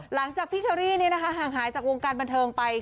หลังจากพี่เชอรี่ห่างหายจากวงการบันเทิงไป